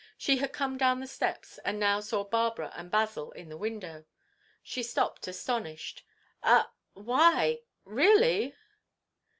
She had come down the steps and now saw Barbara and Basil in the window. She stopped astonished. "Ah—?—Why!—Really?